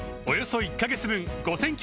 およそ１カ月分